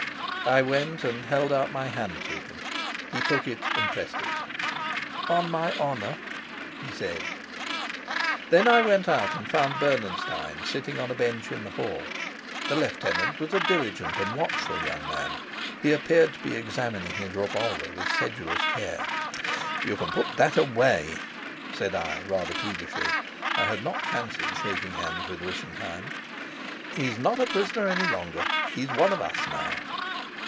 I went and held out my hand to him. He took and pressed it. "On my honor," he said. Then I went out and found Bernenstein sitting on a bench in the hall. The lieutenant was a diligent and watchful young man; he appeared to be examining his revolver with sedulous care. "You can put that away," said I rather peevishly I had not fancied shaking hands with Rischenheim. "He's not a prisoner any longer. He's one of us now."